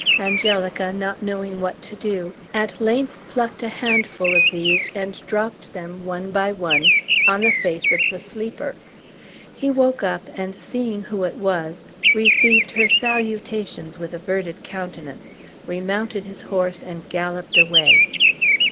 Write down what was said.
Angelica, not knowing what to do, at length plucked a handful of these, and dropped them, one by one, on the face of the sleeper. He woke up, and, seeing who it was, received her salutations with averted countenance, remounted his horse, and galloped away.